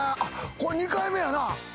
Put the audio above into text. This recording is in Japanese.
これ２回目やな。